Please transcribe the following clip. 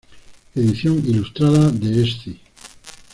Edición ilustrada de Sci.